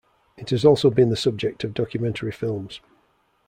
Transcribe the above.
It has also been the subject of documentary films.